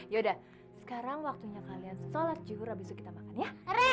yaudah sekarang waktunya kalian sholat juhur habis kita makan ya